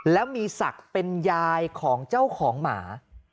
แล้วมีศักดิ์เป็นยายของเจ้าของหมา